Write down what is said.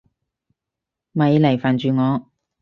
咪嚟煩住我！